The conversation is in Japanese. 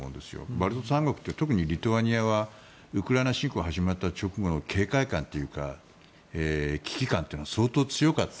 バルト三国って特にリトアニアはウクライナ侵攻が始まった直後の警戒感というか危機感というのは相当強かった。